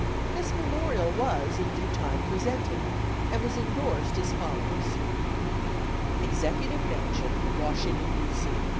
This memorial was in due time presented, and was indorsed as follows: "EXECUTIVE MANSION, WASHINGTON, D. C.